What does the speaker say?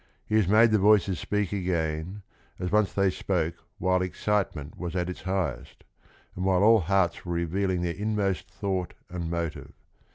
He has made the voices speak againTas once they spoke while excitement was at its highest, and while all hearts were revealing their inmost thought and motive.